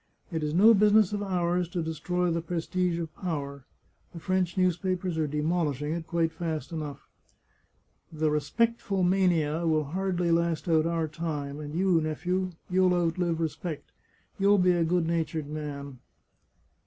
It is no business of ours to destroy the prestige of power — the French newspapers are demolishing it quite fast enough. The respectful mania will hardly last out our time, and you, nephew, you'll outlive respect — you'll be a good natured man."